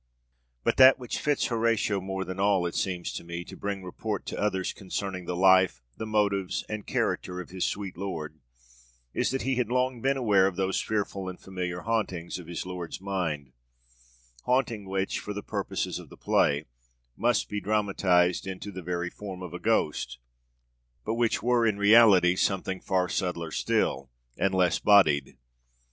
But that which fits Horatio more than all, it seems to me, to bring report to others concerning the life, the motives and character of his 'sweet lord,' is that he had long been aware of those fearful and familiar hauntings of his lord's mind hauntings which, for the purposes of the play, must be dramatized into the very form of a ghost, but which were in reality something far subtler still, and less bodied.